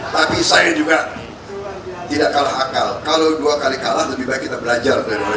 tapi saya juga tidak kalah akal kalau dua kali kalah lebih baik kita belajar